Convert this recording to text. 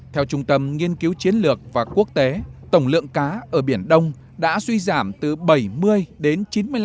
theo trung tâm nghiên cứu chiến lược và quốc tế tổng lượng cá ở biển đông đã suy giảm từ bảy mươi đến